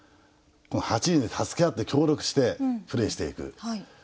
この「八人」で助け合って協力してプレーしていく。